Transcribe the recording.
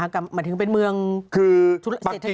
หมายถึงเป็นเมืองคือธุรกิจ